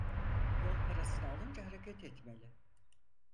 Yol parasını alınca hareket etmeli…